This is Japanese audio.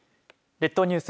列島ニュース。